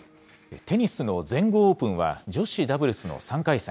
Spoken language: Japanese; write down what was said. テニスの全豪オープンは、女子ダブルスの３回戦。